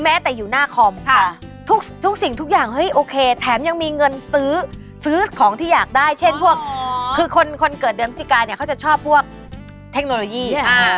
มือผู้จิกายเขาจะชอบพวกเทคโนโลยี